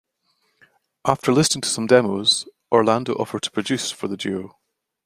After listening to some demos, Orlando offered to produce for the duo.